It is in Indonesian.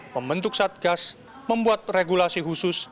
membentuk satgas membuat regulasi khusus